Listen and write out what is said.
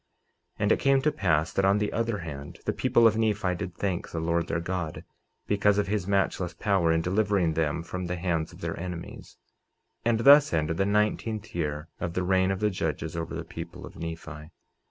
49:28 And it came to pass, that on the other hand, the people of Nephi did thank the Lord their God, because of his matchless power in delivering them from the hands of their enemies. 49:29 And thus ended the nineteenth year of the reign of the judges over the people of Nephi.